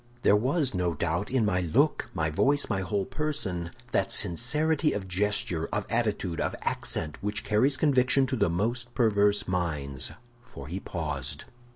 "There was, no doubt, in my look, my voice, my whole person, that sincerity of gesture, of attitude, of accent, which carries conviction to the most perverse minds, for he paused.